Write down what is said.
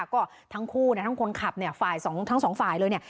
ก็ทั้งคู่ทั้งคนขับเนี่ยฝ่ายสองทั้งสองฝ่ายเลยเนี่ย